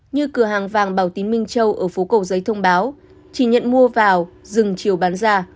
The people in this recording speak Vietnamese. như cửa hàng vàng bảo tín minh châu ở phố cổ giấy thông báo chỉ nhận mua vào dừng chiều bán ra